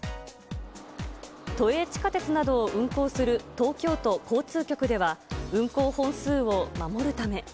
都営地下鉄などを運行する東京都交通局では、運行本数を守るため。